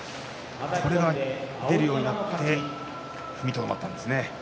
これが出るようになって踏みとどまったんですね。